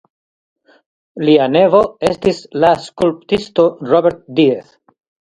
Lia nevo estis la skulptisto Robert Diez.